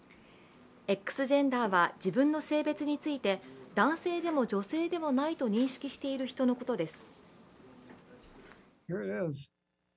Ｘジェンダーは自分の性別について男性でも女性でもないと認識している人のことです。